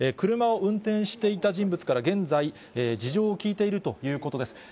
車を運転していた人物から現在、事情を聴いているということです。